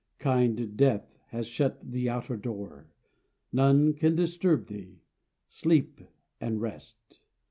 Kind Death has shut the outer door; None can disturb thee, sleep and rest.